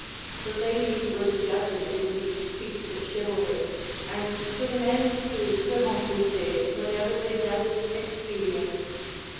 The ladies were the judges in these feats of chivalry, and put an end to the rencounter whenever they judged it expedient.